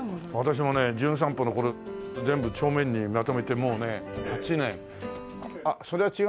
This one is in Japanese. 私もね『じゅん散歩』のこれ全部帳面にまとめてもうね８年あっそれは違うわ。